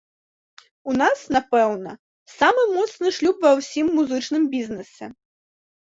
У нас, напэўна, самы моцны шлюб ва ўсім музычным бізнесе.